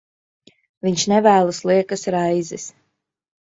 Viņš nevēlas liekas raizes.